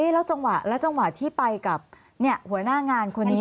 แล้วจังหวะที่ไปกับหัวหน้างานคนนี้